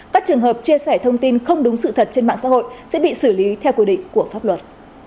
các trường hợp chia sẻ thông tin không đúng sự thật trên mạng xã hội sẽ bị xử lý theo quy định của pháp luật